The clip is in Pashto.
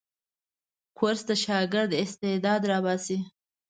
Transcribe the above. کورس د شاګرد استعداد راباسي.